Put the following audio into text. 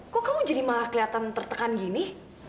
kok kamu jadi malah kelihatan tertekan gini